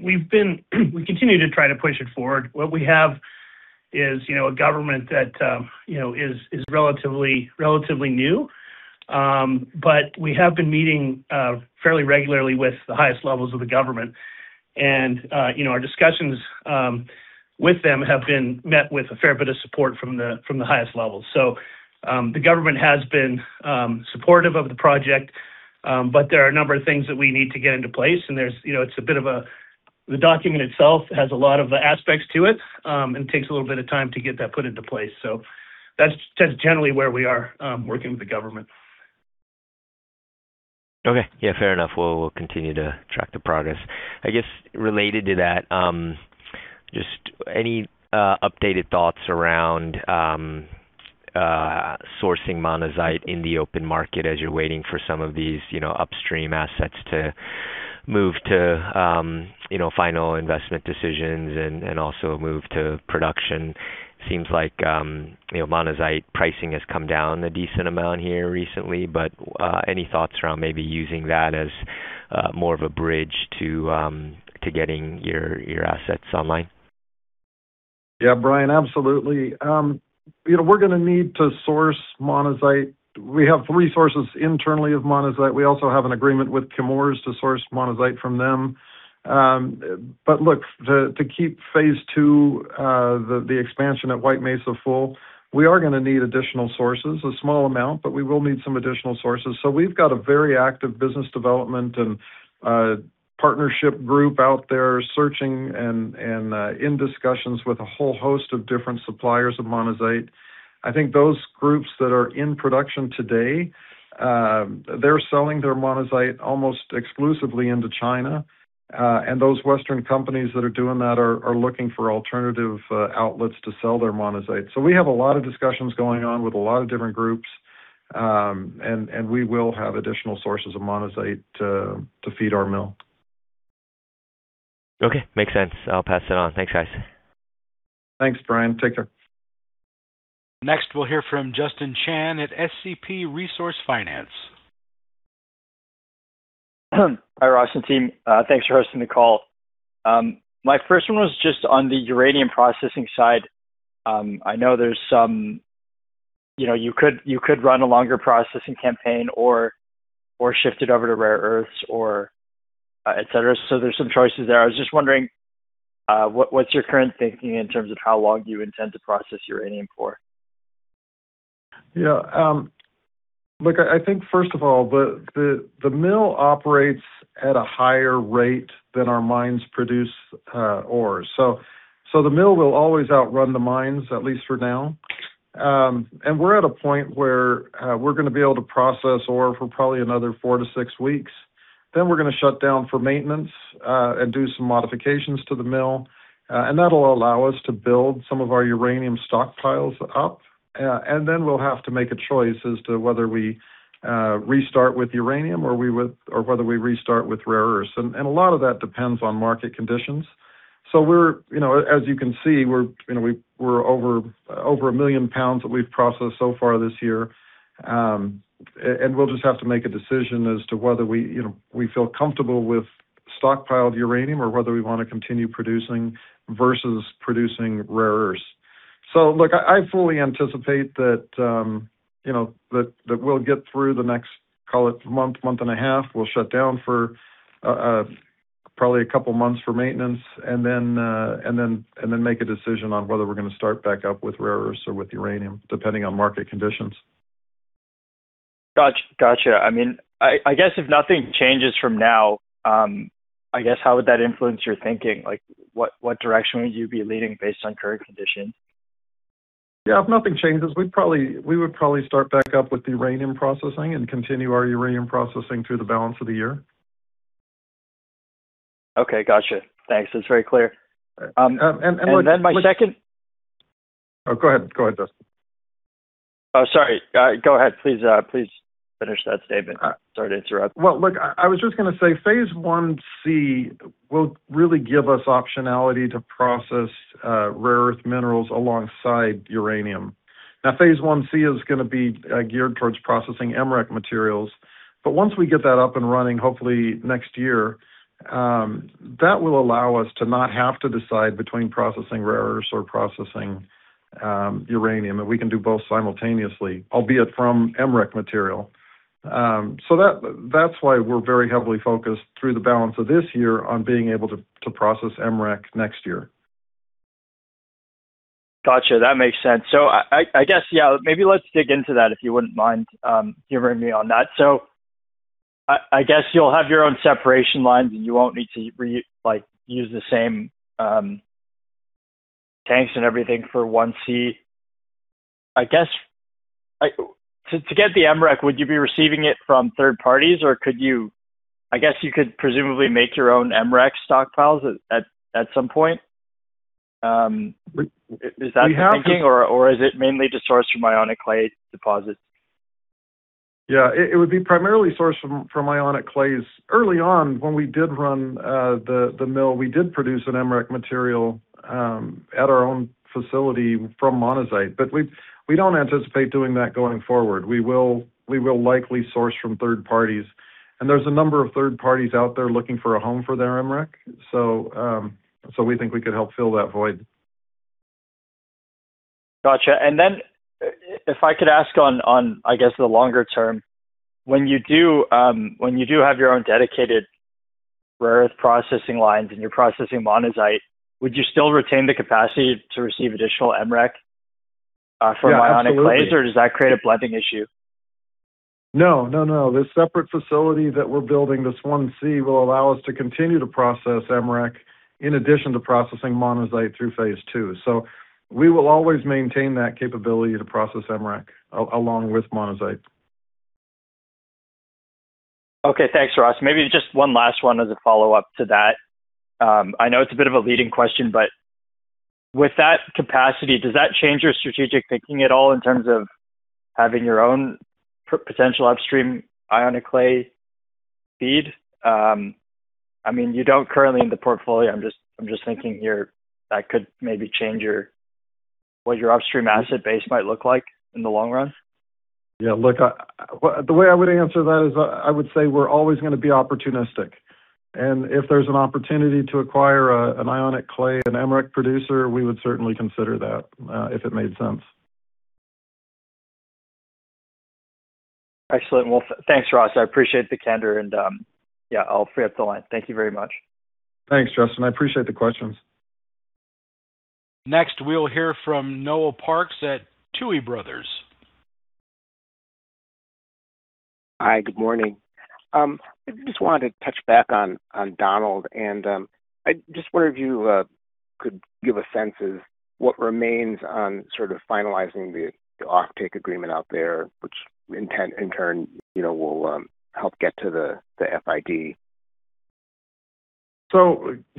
continue to try to push it forward. What we have is, you know, a government that, you know, is relatively new. We have been meeting fairly regularly with the highest levels of the government. Our discussions with them have been met with a fair bit of support from the highest levels. The government has been supportive of the project, but there are a number of things that we need to get into place. There's, you know, The document itself has a lot of aspects to it and takes a little bit of time to get that put into place. That's, that's generally where we are working with the government. Okay. Yeah, fair enough. We'll continue to track the progress. I guess related to that, just any updated thoughts around sourcing monazite in the open market as you're waiting for some of these, you know, upstream assets to move to, you know, final investment decisions and also move to production? Seems like, you know, monazite pricing has come down a decent amount here recently, but any thoughts around maybe using that as more of a bridge to getting your assets online? Yeah, Brian, absolutely. You know, we're gonna need to source monazite. We have three sources internally of monazite. We also have an agreement with Chemours to source monazite from them. Look, to keep phase II, the expansion at White Mesa full, we are gonna need additional sources. A small amount, we will need some additional sources. We've got a very active business development and partnership group out there searching and in discussions with a whole host of different suppliers of monazite. I think those groups that are in production today, they're selling their monazite almost exclusively into China, and those Western companies that are doing that are looking for alternative outlets to sell their monazite. We have a lot of discussions going on with a lot of different groups, and we will have additional sources of monazite to feed our mill. Okay. Makes sense. I'll pass it on. Thanks, guys. Thanks, Brian. Take care. Next, we'll hear from Justin Chan at SCP Resource Finance. Hi, Ross and team. Thanks for hosting the call. My first one was just on the uranium processing side. I know there's some you know, you could run a longer processing campaign or shift it over to rare earths or et cetera. There's some choices there. I was just wondering, what's your current thinking in terms of how long you intend to process uranium for? Yeah. Look, I think first of all, the mill operates at a higher rate than our mines produce ore. The mill will always outrun the mines, at least for now. We're at a point where we're gonna be able to process ore for probably another four-six weeks. We're gonna shut down for maintenance and do some modifications to the mill. That'll allow us to build some of our uranium stockpiles up. We'll have to make a choice as to whether we restart with uranium or whether we restart with rare earths. A lot of that depends on market conditions. We're, you know, as you can see, we're, you know, we're over 1 million pounds that we've processed so far this year. And we'll just have to make a decision as to whether we, you know, we feel comfortable with stockpiled uranium or whether we wanna continue producing versus producing rare earths. Look, I fully anticipate that, you know, that we'll get through the next, call it month, one and a half. We'll shut down for probably two months for maintenance and then make a decision on whether we're gonna start back up with rare earths or with uranium, depending on market conditions. Gotcha. I mean, I guess if nothing changes from now, I guess, how would that influence your thinking? Like, what direction would you be leading based on current conditions? Yeah, if nothing changes, we would probably start back up with the uranium processing and continue our uranium processing through the balance of the year. Okay. Gotcha. Thanks. That's very clear. Um, and what- And then my second- Oh, go ahead. Go ahead, Justin. Oh, sorry. Go ahead. Please, please finish that statement. Sorry to interrupt. Well, look, I was just gonna say phase I-C will really give us optionality to process rare earth minerals alongside uranium. Phase I-C is gonna be geared towards processing MREC materials, but once we get that up and running, hopefully next year, that will allow us to not have to decide between processing rare earths or processing uranium, and we can do both simultaneously, albeit from MREC material. That, that's why we're very heavily focused through the balance of this year on being able to process MREC next year. Gotcha. That makes sense. I guess, yeah, maybe let's dig into that, if you wouldn't mind, hearing me on that. I guess you'll have your own separation lines, and you won't need to use the same, tanks and everything for 1C. I guess, like, to get the MREC, would you be receiving it from third parties, or could you I guess you could presumably make your own MREC stockpiles at some point. Is that the thinking? We have to- Is it mainly just sourced from ionic adsorption clays? Yeah. It would be primarily sourced from ionic clays. Early on, when we did run the mill, we did produce an MREC material at our own facility from monazite, but we don't anticipate doing that going forward. We will likely source from third parties, and there's a number of third parties out there looking for a home for their MREC. We think we could help fill that void. Gotcha. If I could ask on, I guess, the longer term. When you do have your own dedicated rare earth processing lines and you're processing monazite, would you still retain the capacity to receive additional MREC from ionic clays? Yeah, absolutely. Does that create a blending issue? No. No, no. The separate facility that we're building, this I-C, will allow us to continue to process MREC in addition to processing monazite through phase II. We will always maintain that capability to process MREC along with monazite. Okay. Thanks, Ross. Maybe just one last one as a follow-up to that. I know it's a bit of a leading question, but with that capacity, does that change your strategic thinking at all in terms of having your own potential upstream ionic clay feed? I mean, you don't currently in the portfolio. I'm just thinking here that could maybe change your, what your upstream asset base might look like in the long run. Look, the way I would answer that is I would say we're always gonna be opportunistic, and if there's an opportunity to acquire, an ionic clay, an MREC producer, we would certainly consider that, if it made sense. Excellent. Well, thanks, Ross. I appreciate the candor and, yeah, I'll free up the line. Thank you very much. Thanks, Justin. I appreciate the questions. Next, we'll hear from Noel Parks at Tuohy Brothers. Hi, good morning. I just wanted to touch back on Donald and I just wonder if you could give a sense as what remains on sort of finalizing the offtake agreement out there, which in turn, you know, will help get to the FID.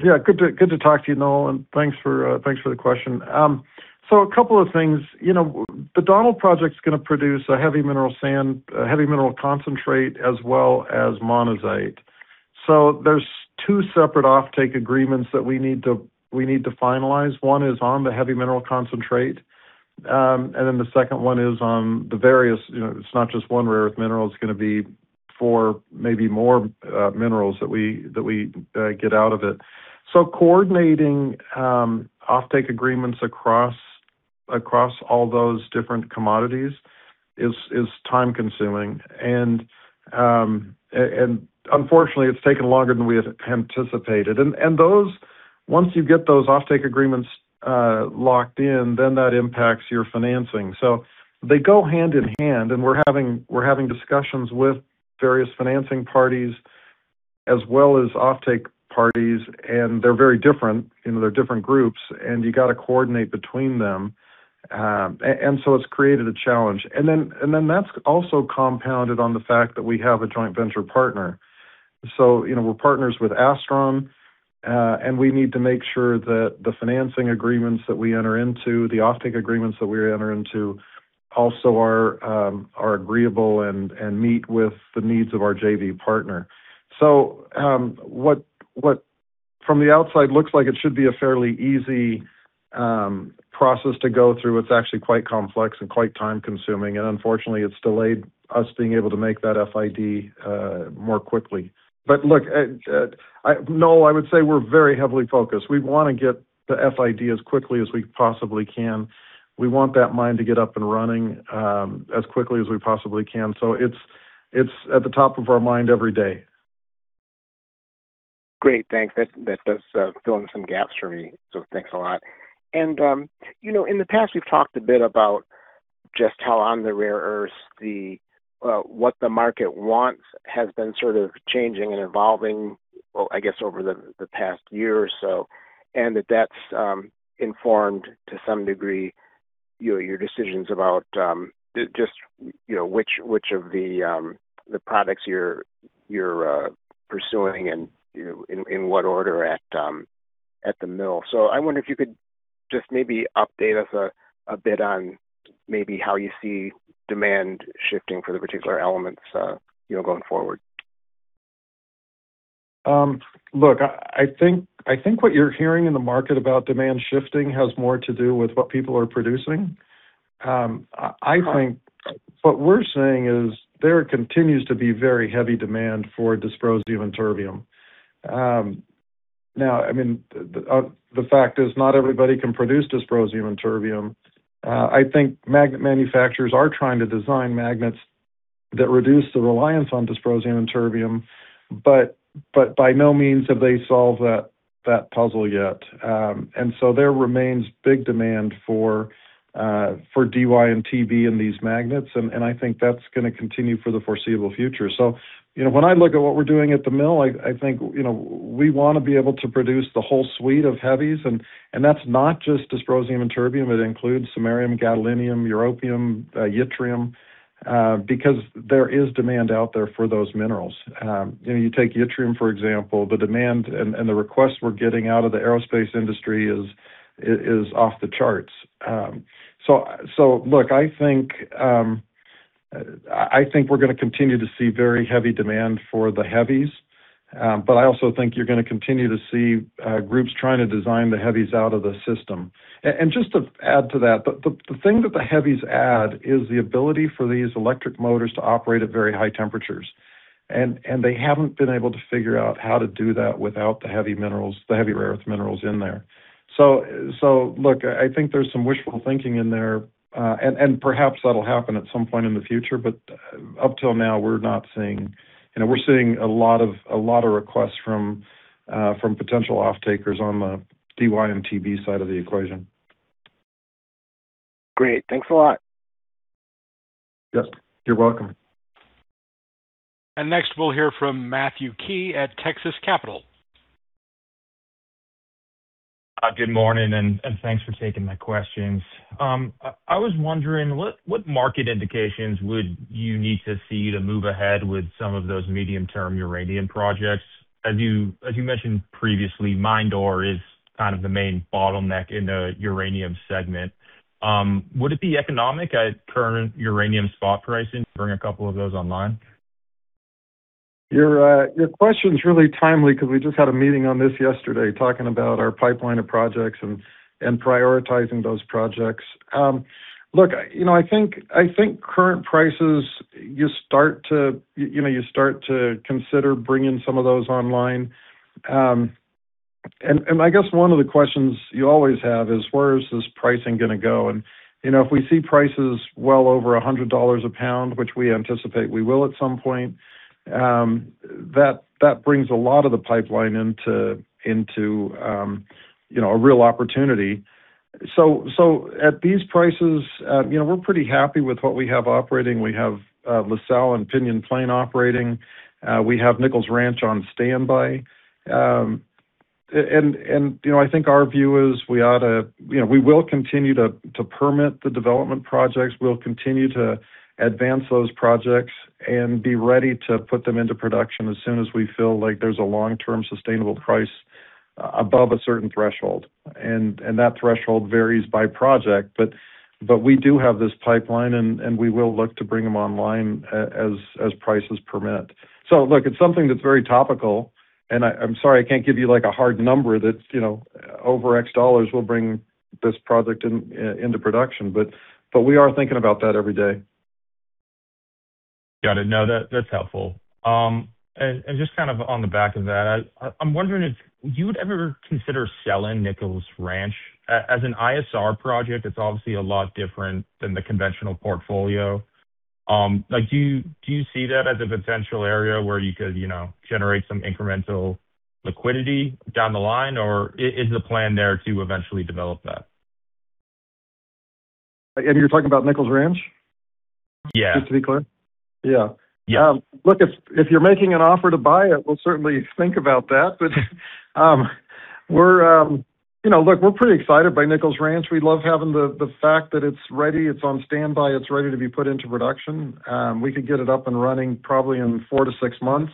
Yeah, good to talk to you, Noel, and thanks for the question. A couple of things. You know, the Donald Project's going to produce a heavy mineral sand, a heavy mineral concentrate as well as monazite. Two separate offtake agreements that we need to finalize. One is on the heavy mineral concentrate, and then the second one is on the various, you know, it's not just one rare earth mineral, it's going to be four, maybe more, minerals that we get out of it. Coordinating offtake agreements across all those different commodities is time-consuming. Unfortunately, it's taken longer than we had anticipated. Once you get those offtake agreements locked in, then that impacts your financing. They go hand in hand, and we're having discussions with various financing parties as well as offtake parties, and they're very different. You know, they're different groups, and you gotta coordinate between them. It's created a challenge. That's also compounded on the fact that we have a joint venture partner. You know, we're partners with Astron, and we need to make sure that the financing agreements that we enter into, the offtake agreements that we enter into also are agreeable and meet with the needs of our JV partner. What from the outside looks like it should be a fairly easy process to go through, it's actually quite complex and quite time-consuming, and unfortunately, it's delayed us being able to make that FID more quickly. Look, I would say we're very heavily focused. We wanna get the FID as quickly as we possibly can. We want that mine to get up and running as quickly as we possibly can, so it's at the top of our mind every day. Great. Thanks. That, that does fill in some gaps for me, so thanks a lot. You know, in the past, we've talked a bit about just how on the rare earths the, what the market wants has been sort of changing and evolving, well, I guess over the past year or so, and that that's informed to some degree your decisions about just, you know, which of the products you're pursuing and, you know, in what order at the mill. I wonder if you could just maybe update us a bit on maybe how you see demand shifting for the particular elements, you know, going forward. Look, I think what you're hearing in the market about demand shifting has more to do with what people are producing. Right What we're saying is there continues to be very heavy demand for dysprosium and terbium. Now, the fact is not everybody can produce dysprosium and terbium. I think magnet manufacturers are trying to design magnets that reduce the reliance on dysprosium and terbium, but by no means have they solved that puzzle yet. There remains big demand for Dy and Tb in these magnets, and I think that's gonna continue for the foreseeable future. You know, when I look at what we're doing at the mill, I think, you know, we wanna be able to produce the whole suite of heavies and that's not just dysprosium and terbium. It includes samarium, gadolinium, europium, yttrium, because there is demand out there for those minerals. You know, you take yttrium, for example, the demand and the requests we're getting out of the aerospace industry is off the charts. So look, I think we're gonna continue to see very heavy demand for the heavies, but I also think you're gonna continue to see groups trying to design the heavies out of the system. Just to add to that, the thing that the heavies add is the ability for these electric motors to operate at very high temperatures, and they haven't been able to figure out how to do that without the heavy minerals, the heavy rare earth minerals in there. Look, I think there's some wishful thinking in there, and perhaps that'll happen at some point in the future, but up till now, You know, we're seeing a lot of requests from potential offtakers on the Dy and Tb side of the equation. Great. Thanks a lot. Yep. You're welcome. Next, we'll hear from Matthew Key at Texas Capital. Good morning, and thanks for taking my questions. I was wondering what market indications would you need to see to move ahead with some of those medium-term uranium projects? As you mentioned previously, mined ore is kind of the main bottleneck in the uranium segment. Would it be economic at current uranium spot pricing to bring a couple of those online? Your question's really timely 'cause we just had a meeting on this yesterday, talking about our pipeline of projects and prioritizing those projects. Look, you know, I think current prices, you know, you start to consider bringing some of those online. And I guess one of the questions you always have is where is this pricing gonna go? You know, if we see prices well over $100 a pound, which we anticipate we will at some point, that brings a lot of the pipeline into, you know, a real opportunity. At these prices, you know, we're pretty happy with what we have operating. We have La Sal and Pinyon Plain operating. We have Nichols Ranch on standby. You know, I think our view is we ought to You know, we will continue to permit the development projects. We'll continue to advance those projects and be ready to put them into production as soon as we feel like there's a long-term sustainable price above a certain threshold. That threshold varies by project. We do have this pipeline and we will look to bring them online as prices permit. Look, it's something that's very topical, and I'm sorry I can't give you like a hard number that's, you know, over X dollars will bring this project in into production. We are thinking about that every day. Got it. No, that's helpful. Just kind of on the back of that, I'm wondering if you would ever consider selling Nichols Ranch. As an ISR project it's obviously a lot different than the conventional portfolio. Like, do you see that as a potential area where you could, you know, generate some incremental liquidity down the line? Is the plan there to eventually develop that? You're talking about Nichols Ranch? Yeah. Just to be clear? Yeah. Yeah. Look, if you're making an offer to buy it, we'll certainly think about that. You know, look, we're pretty excited by Nichols Ranch. We love having the fact that it's ready, it's on standby, it's ready to be put into production. We could get it up and running probably in four-six months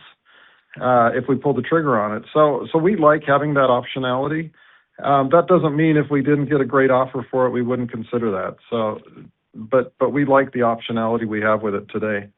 if we pull the trigger on it. We like having that optionality. That doesn't mean if we didn't get a great offer for it we wouldn't consider that. We like the optionality we have with it today.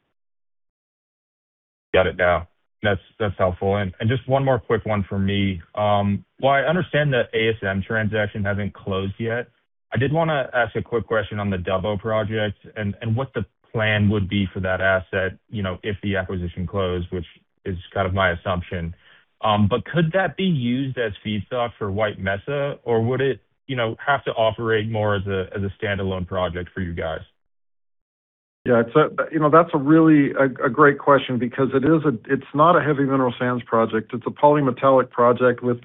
Got it now. That's helpful. Just one more quick one from me. While I understand the ASM transaction hasn't closed yet, I did wanna ask a quick question on the Dubbo Project and what the plan would be for that asset, you know, if the acquisition closed, which is kind of my assumption. Could that be used as feedstock for White Mesa or would it, you know, have to operate more as a standalone project for you guys? Yeah, you know, that's a really a great question because it's not a heavy mineral sands project, it's a polymetallic project with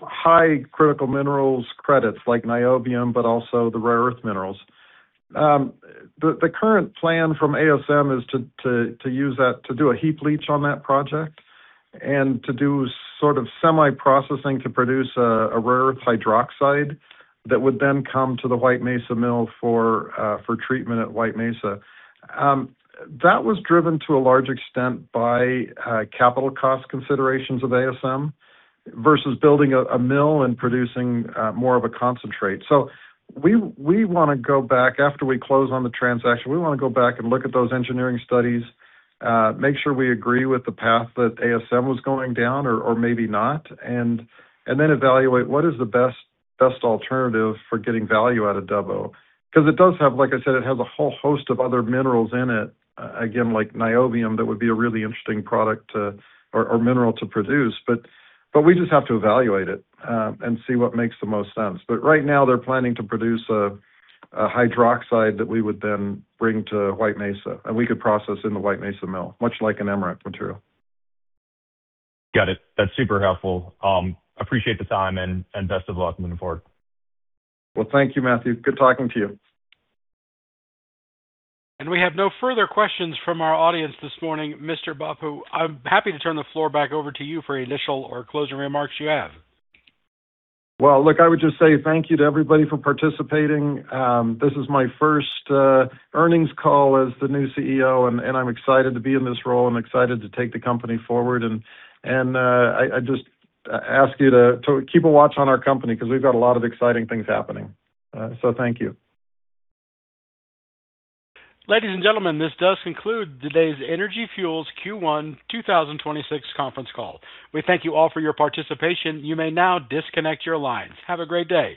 high critical minerals credits like niobium, but also the rare earth minerals. The current plan from ASM is to use that to do a heap leach on that project and to do sort of semi-processing to produce a rare earth hydroxide that would then come to the White Mesa Mill for treatment at White Mesa. That was driven to a large extent by capital cost considerations of ASM versus building a mill and producing more of a concentrate. We wanna go back. After we close on the transaction, we wanna go back and look at those engineering studies, make sure we agree with the path that ASM was going down or maybe not, and then evaluate what is the best alternative for getting value out of Dubbo. Cause it does have, like I said, it has a whole host of other minerals in it, again, like niobium, that would be a really interesting product to or mineral to produce. We just have to evaluate it and see what makes the most sense. Right now they're planning to produce a hydroxide that we would then bring to White Mesa and we could process in the White Mesa mill, much like an MREC material. Got it. That's super helpful. Appreciate the time and best of luck moving forward. Well, thank you, Matthew. Good talking to you. We have no further questions from our audience this morning. Mr. Bhappu, I'm happy to turn the floor back over to you for any initial or closing remarks you have. Well, look, I would just say thank you to everybody for participating. This is my first earnings call as the new CEO, and I'm excited to be in this role and excited to take the company forward. I just ask you to keep a watch on our company 'cause we've got a lot of exciting things happening. Thank you. Ladies and gentlemen, this does conclude today's Energy Fuels Q1 2026 conference call. We thank you all for your participation. You may now disconnect your lines. Have a great day.